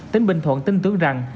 tỉnh bình thuận tin tưởng rằng